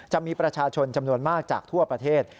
จะมีประชาชนจำนวนมากจากทั่วประเทศ